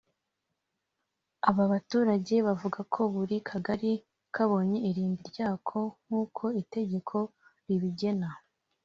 Aba baturage bavuga ko buri kagari kabonye irimbi ryako nk’uko itegeko ribigena